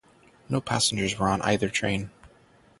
No passengers were on either train.